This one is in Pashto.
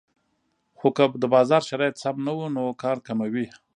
خو که د بازار شرایط سم نه وو نو کار کموي